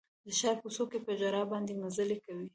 د ښار کوڅو کې په ژړا باندې مزلې کوي